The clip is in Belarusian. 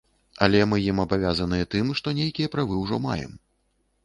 Але мы ім абавязаныя тым, што нейкія правы ўжо маем.